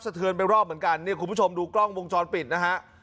สะเทือนเป็นรอบเหมือนกันคุณผู้ชมดูกล้องวงจรปิดนะฮะ